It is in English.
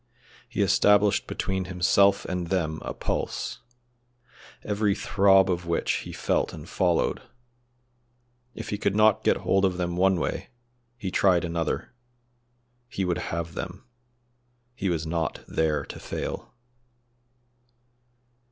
He established between himself and them a pulse, every throb of which he felt and followed. If he could not get hold of them one way, he tried another; he would have them he was not there to fail.